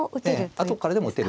あとからでも打てる。